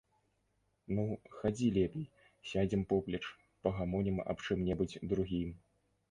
Ну, хадзі лепей, сядзем поплеч, пагамонім аб чым-небудзь другім.